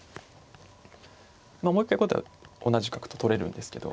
もう一回後手は同じく角と取れるんですけど。